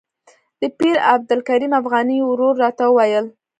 د پیر عبدالکریم افغاني ورور راته وویل.